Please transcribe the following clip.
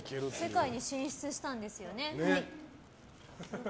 世界に進出したんですよね。